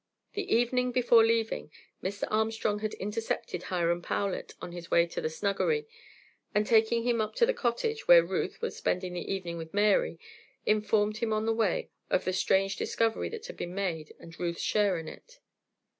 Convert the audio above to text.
The evening before leaving, Mr. Armstrong had intercepted Hiram Powlett on his way to the snuggery, and taking him up to the cottage, where Ruth was spending the evening with Mary, informed him on the way of the strange discovery that had been made, and Ruth's share in it.